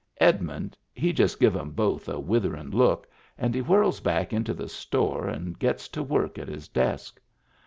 Edmund he just give 'em both a witherin' look, and he whirls back into the store and gets to work at his desk.